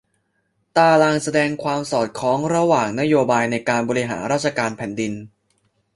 ตารางแสดงความสอดคล้องระหว่างนโยบายในการบริหารราชการแผ่นดิน